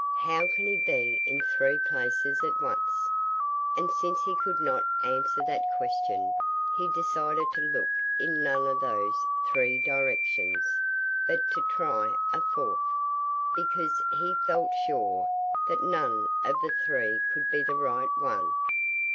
"How can he be in three places at once?" And since he could not answer that question, he decided to look in none of those three directions, but to try a fourth, because he felt sure that none of the three could be the right one.